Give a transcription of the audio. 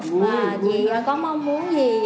và chị có mong muốn gì